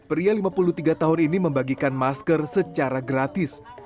pria lima puluh tiga tahun ini membagikan masker secara gratis